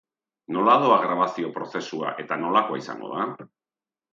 Nola doa grabazio prozesua eta nolakoa izango da?